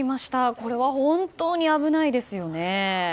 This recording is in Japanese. これは本当に危ないですよね。